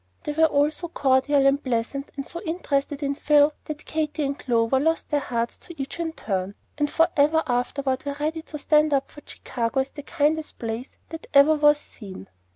They were all so cordial and pleasant and so interested in Phil, that Katy and Clover lost their hearts to each in turn, and forever afterward were ready to stand up for Chicago as the kindest place that ever was seen.